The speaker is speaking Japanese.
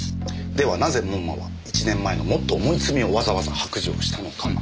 ではなぜ門馬は１年前のもっと重い罪をわざわざ白状したのか。